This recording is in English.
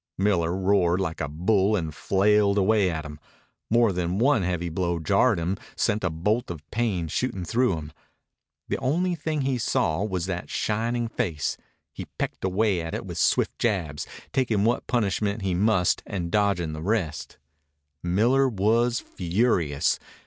Miller roared like a bull and flailed away at him. More than one heavy blow jarred him, sent a bolt of pain shooting through him. The only thing he saw was that shining face. He pecked away at it with swift jabs, taking what punishment he must and dodging the rest. Miller was furious.